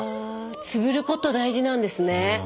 つぶること大事なんですね。